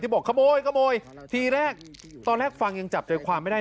บอกขโมยขโมยทีแรกตอนแรกฟังยังจับใจความไม่ได้